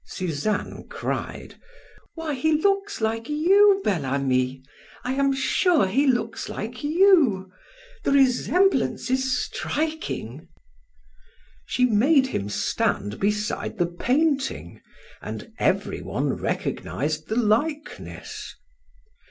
Suzanne cried: "Why, He looks like you, Bel Ami! I am sure He looks like you. The resemblance is striking." She made him stand beside the painting and everyone recognized the likeness.